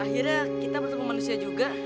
akhirnya kita bertemu manusia juga